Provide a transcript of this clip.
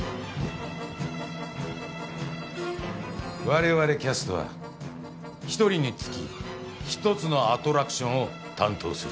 われわれキャストは１人につき１つのアトラクションを担当する。